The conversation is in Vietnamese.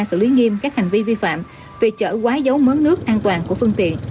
xử lý nghiêm các hành vi vi phạm về chở quái giấu mớ nước an toàn của phương tiện